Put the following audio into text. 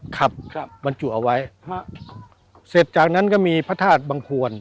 ครับครับบรรจุเอาไว้ฮะเสร็จจากนั้นก็มีพระธาตุบังควร